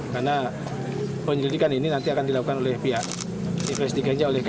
karena penyelidikan ini nanti akan dilakukan oleh pihak investigasinya oleh knkt